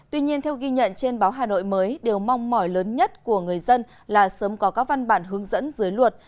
tuy nhiên theo ghi nhận trên báo hà nội mới điều mong mỏi lớn nhất của người dân là sớm có các văn bản hướng dẫn dưới luật